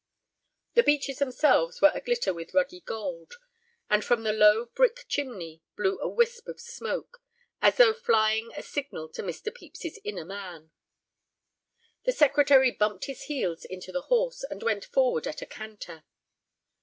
The beeches themselves were a glitter with ruddy gold. And from the low brick chimney blew a wisp of smoke, as though flying a signal to Mr. Pepys's inner man. The Secretary bumped his heels into his horse and went forward at a canter.